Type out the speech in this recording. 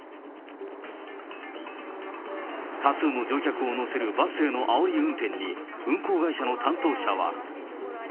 多数の乗客を乗せるバスへのあおり運転に、運行会社の担当者は。